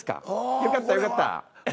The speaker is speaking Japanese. よかったよかった。